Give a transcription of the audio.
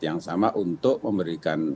yang sama untuk memberikan